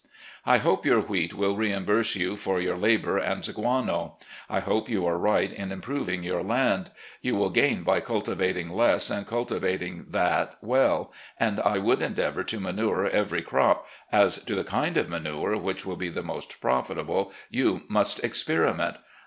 " I hope your wheat will reimburse you for your labour and guano. I think you are right in improving your land. You will gain by cultivating less and cffitivating that well, and I would endeavour to manure every crop — as to the kind of manure which will be the most profitable, you must experiment.